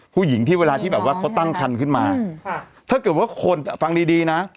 ผู้หญิงที่เวลาที่แบบว่าเขาตั้งคันขึ้นมาถ้าเกิดว่าคนอ่ะฟังดีดีนะ